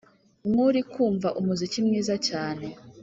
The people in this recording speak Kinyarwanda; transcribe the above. nkurikumva umuziki mwiza cyane.